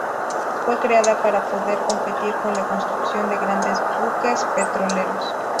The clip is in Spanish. Fue creada para poder competir con la construcción de grandes buques petroleros.